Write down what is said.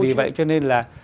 vì vậy cho nên là